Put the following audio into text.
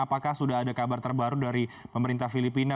apakah sudah ada kabar terbaru dari pemerintah filipina